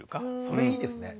それいいですね。